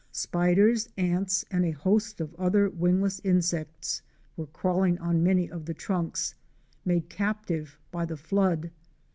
199 Spiders, ants and a host of other wingless insects were crawling on many of the trunks, made captive by the flood.